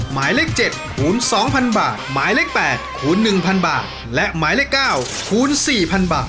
หมายเลข๗คูณ๒๐๐๐บาทหมายเลข๘คูณ๑๐๐บาทและหมายเลข๙คูณ๔๐๐๐บาท